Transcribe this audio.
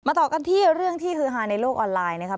ต่อกันที่เรื่องที่ฮือฮาในโลกออนไลน์นะครับ